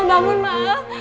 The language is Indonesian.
mama mau bangun maaf